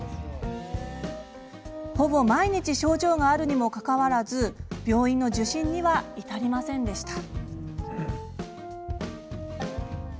ほぼ毎日症状があるにもかかわらず、病院の受診には至りませんでした。